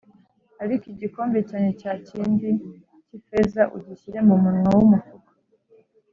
Ariko igikombe cyanjye cya kindi cy ifeza ugishyire mu munwa w umufuka